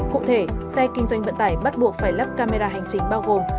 cụ thể xe kinh doanh vận tải bắt buộc phải lắp camera hành trình bao gồm